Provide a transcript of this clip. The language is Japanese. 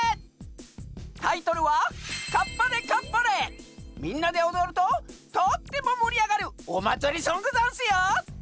タイトルはみんなでおどるととってももりあがるおまつりソングざんすよ！